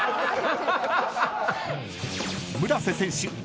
［村瀬選手